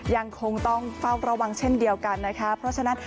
ยังคงต้องเฝ้าระวังเช่นเดียวกันนะคะเพราะฉะนั้น